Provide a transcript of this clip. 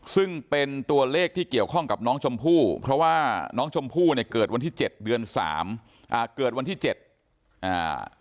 ซึ่งเป็นตัวเลขที่เกี่ยวข้องกับน้องชมพู่เพราะว่าน้องชมพู่เนี่ยเกิดวันที่เจ็ดเดือนสามอ่าเกิดวันที่เจ็ดอ่า